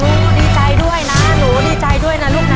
ดีใจด้วยนะหนูดีใจด้วยนะลูกนะ